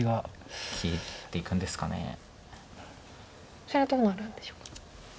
こちらどうなるんでしょうか。